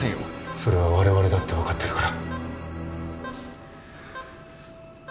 それはわれわれだって分かってるから。